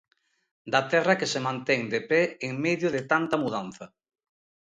Da terra que se mantén de pé en medio de tanta mudanza.